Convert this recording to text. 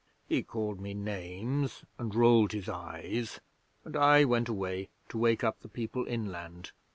'He called me names and rolled his eyes, and I went away to wake up the people inland.